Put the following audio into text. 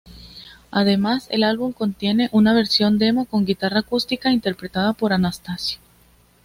Además, el álbum contiene una versión demo con guitarra acústica interpretada por Anastasio.